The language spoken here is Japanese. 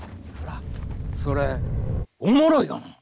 それおもろいがな。